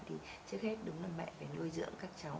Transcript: thì trước hết đúng là mẹ phải nuôi dưỡng các cháu